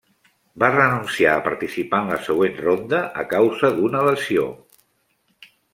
Va renunciar a participar en la següent ronda a causa d'una lesió.